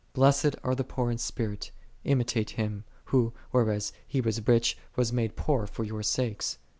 "Blessed are the poor in spirit;" " imitate Him, Who, "whereas "He was rich, was made poor for your sakes.